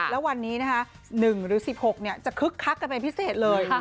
แล้ววันนี้นะคะ๑หรือ๑๖จะคึกคักกันเป็นพิเศษเลย